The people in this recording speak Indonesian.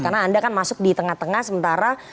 karena anda kan masuk di tengah tengah sementara